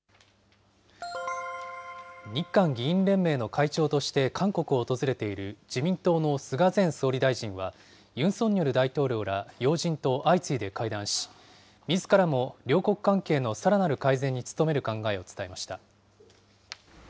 日韓議員連盟の会長として韓国を訪れている自民党の菅前総理大臣は、ユン・ソンニョル大統領ら要人と相次いで会談し、みずからも両国関係のさらなる改善に努める考えを伝えました。